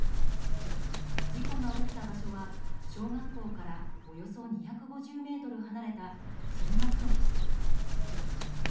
事故が起きた場所は小学校からおよそ２５０ｍ離れた通学路でした。